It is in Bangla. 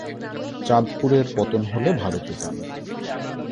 চাঁদপুরের পতন হলে ভারতে যান।